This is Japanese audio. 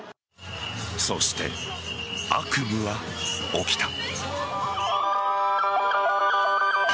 そして、悪夢は起きた。